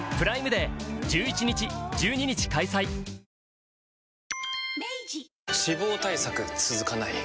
「ビオレ」脂肪対策続かない